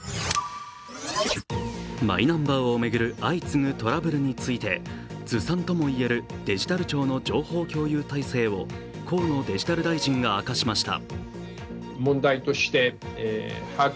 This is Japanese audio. マイナンバーを巡る相次ぐトラブルについて、ずさんともいえるデジタル庁の情報共有体制を河野デジタル大臣が明かしました。